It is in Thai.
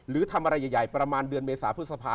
หรือทำอะไรใหญ่ประมาณเดือนเมษาพฤษภา